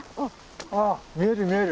あっ見える見える。